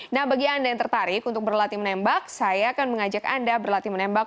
nah bagi anda yang tertarik untuk berlatih menembak saya akan mengajak anda berlatih menembak